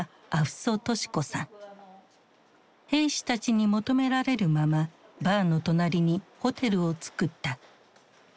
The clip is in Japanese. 兵士たちに求められるままバーの隣にホテルをつくった。